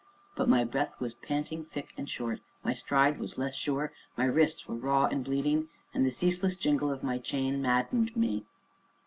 But my breath was panting thick and short, my stride was less sure, my wrists were raw and bleeding, and the ceaseless jingle of my chain maddened me.